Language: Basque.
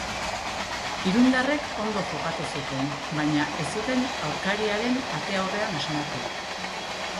Irundarrek ondo jokatu zuten, baina ez zuten aurkariaren ate aurrean asmatu.